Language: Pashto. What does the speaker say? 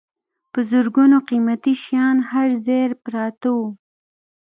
په زرګونو قیمتي شیان هر ځای پراته وو.